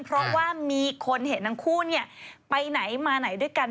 เพราะว่ามีคนเห็นทั้งคู่ไปไหนมาไหนด้วยกัน